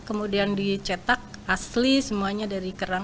kemudian dicetak asli semuanya dari kerang